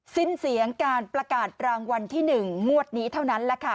สิ้นเสียงการประกาศรางวัลที่๑งวดนี้เท่านั้นแหละค่ะ